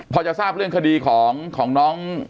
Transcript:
พอจะทราบเรื่องคดีของน้อง